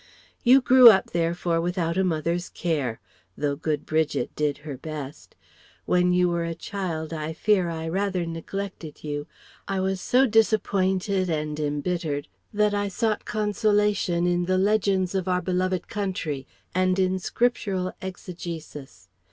] You grew up therefore without a mother's care, though good Bridget did her best. When you were a child I fear I rather neglected you. I was so disappointed and embittered that I sought consolation in the legends of our beloved country and in Scriptural exegesis.